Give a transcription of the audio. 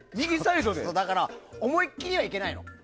だから、思いっきりはいけないの。